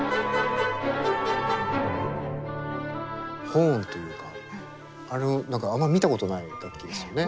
ホーンというかあれ何かあんま見たことない楽器ですよね。